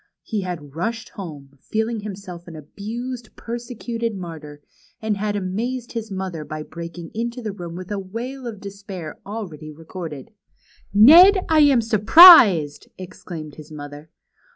He had rushed home, feeling himself an abused, persecuted martyr, and had amazed his mother by breaking into the room Avith the Avail of despair al ready recorded. Ned, I am surprised!" exclaimed his mother.